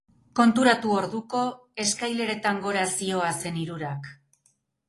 Konturatu orduko eskaileretan gora zihoazen hirurak.